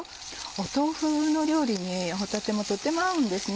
豆腐の料理に帆立もとっても合うんですね。